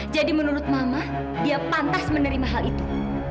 jadi menurut mama dia pantas menerima hal itu